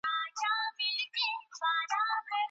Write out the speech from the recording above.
درېيم شرط مريی منځګړيتوب نسي کولای.